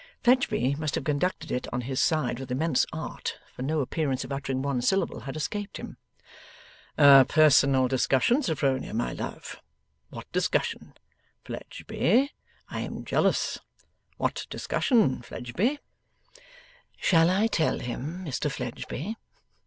Fledgeby must have conducted it on his side with immense art, for no appearance of uttering one syllable had escaped him. 'A personal discussion, Sophronia, my love? What discussion? Fledgeby, I am jealous. What discussion, Fledgeby?' 'Shall I tell him, Mr Fledgeby?